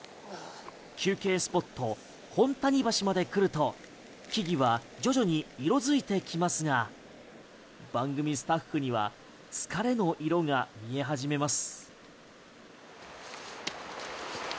休憩スポット、本谷橋まで来ると木々は徐々に色付いてきますが番組スタッフには疲れの色が見え始めます。